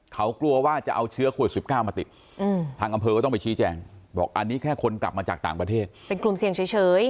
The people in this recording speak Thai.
เขากลัวว่าจะเอาเชื้อโควิด๑๙มาติดทางอำเภอก็ต้องไปชี้แจงบอกอันนี้แค่คนกลับมาจากต่างประเทศเป็นกลุ่มเสี่ยงเฉย